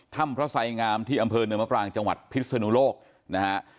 ถ้ำพระสายงามที่อำเภอเนื้อมปลางจังหวัดพิศนุโลกนะฮะ